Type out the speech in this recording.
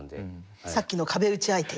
さっきの壁打ち相手。